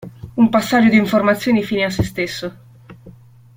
Un passaggio di informazioni fine a sé stesso.